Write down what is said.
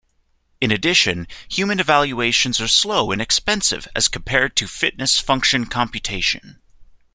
In addition, human evaluations are slow and expensive as compared to fitness function computation.